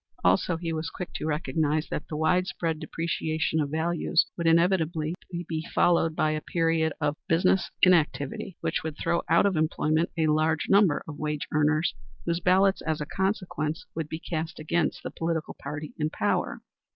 Also he was quick to recognize that the wide spread depreciation of values would inevitably be followed by a period of business inactivity which would throw out of employment a large number of wage earners whose ballots as a consequence would be cast against the political party in power.